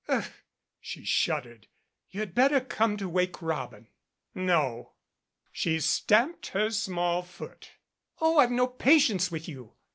"Ugh," she shuddered. "You had better come to 'Wake Robin'." "No." She stamped her small foot. "Oh, I've no patience with you."